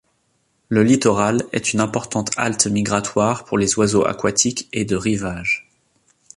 Le littoral est une importante halte migratoire pour les oiseaux aquatiques et de rivage.